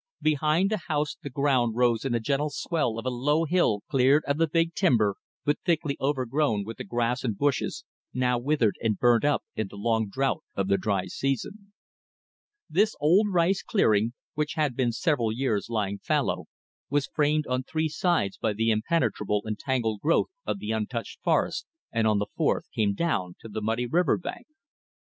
Behind the house the ground rose in a gentle swell of a low hill cleared of the big timber, but thickly overgrown with the grass and bushes, now withered and burnt up in the long drought of the dry season. This old rice clearing, which had been several years lying fallow, was framed on three sides by the impenetrable and tangled growth of the untouched forest, and on the fourth came down to the muddy river bank.